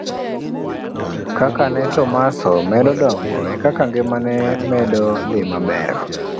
Kaka ne Tomaso medo dongo ekaka ngima ne medo dhi maber.